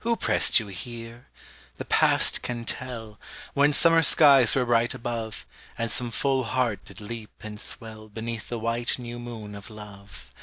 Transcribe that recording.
Who prest you here? The Past can tell, When summer skies were bright above, And some full heart did leap and swell Beneath the white new moon of love.